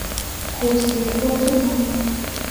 Kosire kot ine